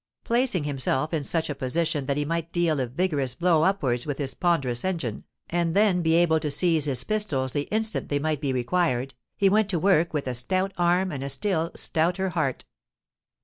Placing himself in such a position that he might deal a vigorous blow upwards with his ponderous engine, and then be able to seize his pistols the instant they might be required, he went to work with a stout arm and a still stouter heart.